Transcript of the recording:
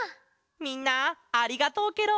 みんなありがとうケロ！